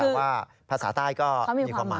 แต่ว่าภาษาใต้ก็